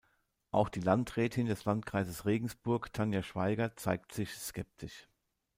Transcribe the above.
Auch die Landrätin des Landkreises Regensburg Tanja Schweiger zeigt sich skeptisch.